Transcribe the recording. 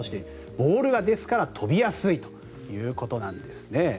ボールがですから飛びやすいということなんですね。